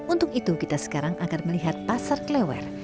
untuk itu kita sekarang akan melihat pasar kelewer